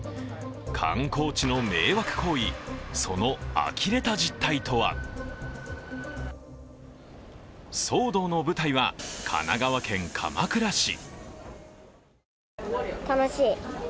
観光地の迷惑行為そのあきれた実態とは騒動の舞台は、神奈川県鎌倉市。